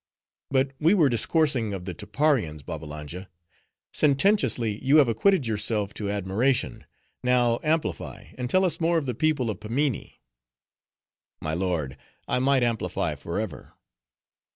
But we were discoursing of the Tapparians. Babbalanja: sententiously you have acquitted yourself to admiration; now amplify, and tell us more of the people of Pimminee." "My lord, I might amplify forever."